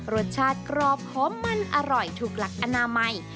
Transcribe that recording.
รสชาติกรอบหอมมันอร่อยถูกหลักอนามัย